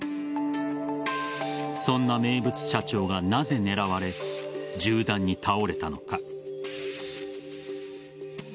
そんな名物社長が、なぜ狙われ銃弾に倒れたのか。